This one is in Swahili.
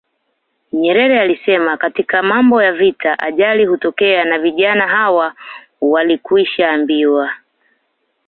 Nyerere alisema katika mambo ya vita ajali hutokea na vijana hawa walikwishaambiwa